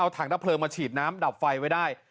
ถังดับเพลิงมาฉีดน้ำดับไฟไว้ได้